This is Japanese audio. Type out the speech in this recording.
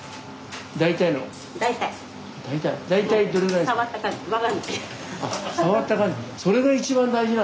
大体どれぐらいですか？